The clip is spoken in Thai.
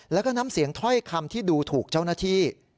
แล้วก็น้ำเสียงถ้อยคำที่ดูถูกเจ้าหน้าที่